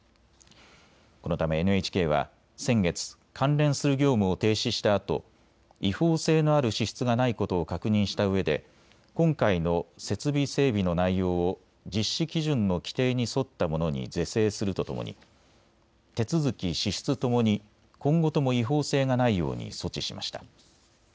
このためＮＨＫは先月、関連する業務を停止したあと違法性のある支出がないことを確認したうえで今回の設備整備の内容を実施基準の規定に沿ったものに是正するとともに手続き・支出ともに今後とも違法性がないように措置しました。